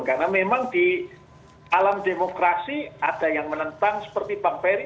karena memang di alam demokrasi ada yang menentang seperti pemperi